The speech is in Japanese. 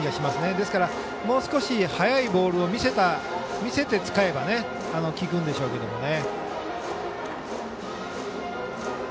ですから、もう少し速いボールを見せて使えば効くんでしょうけどね。